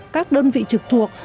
các đơn vị trực thuộc